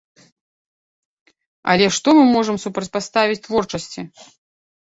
Але што мы можам супрацьпаставіць творчасці?